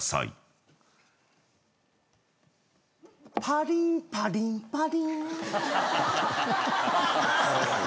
パリーパリーパリーン！